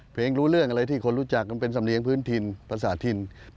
รู้เรื่องอะไรที่คนรู้จักมันเป็นสำเนียงพื้นถิ่นภาษาถิ่น